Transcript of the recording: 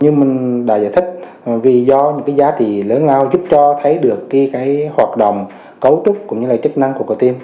nhưng mình đã giải thích vì do những cái giá trị lớn lao giúp cho thấy được cái hoạt động cấu trúc cũng như là chức năng của cơ tim